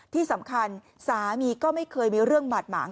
ที่สำคัญสามีก็ไม่เคยมีเรื่องบาดหมาง